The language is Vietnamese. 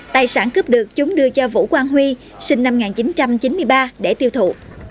tài sản cướp được chúng đưa cho vũ quang huy sinh năm một nghìn chín trăm chín mươi ba để tiêu thụ